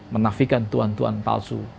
menafikan tuan tuan palsu